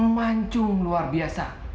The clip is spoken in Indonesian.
mancung luar biasa